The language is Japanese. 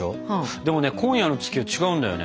でもね今夜の月は違うんだよね。